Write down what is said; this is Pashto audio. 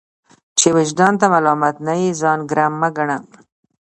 چي وجدان ته ملامت نه يې ځان ګرم مه ګڼه!